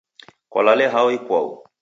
Kwalale hao ikwau?